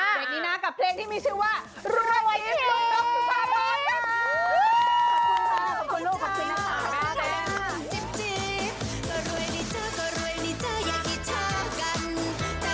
เบรกนี้นะกับเพลงที่มีชื่อว่ารวยทิฟต์ลูกน้องสุภาวะค่ะ